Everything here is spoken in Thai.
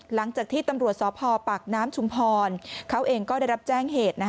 หลังจากที่ตำรวจสพปากน้ำชุมพรเขาเองก็ได้รับแจ้งเหตุ